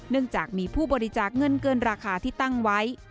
จากมีผู้บริจาคเงินเกินราคาที่ตั้งไว้